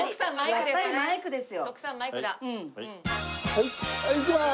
はいいきまーす。